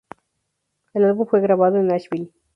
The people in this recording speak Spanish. El álbum fue grabado en Nashville.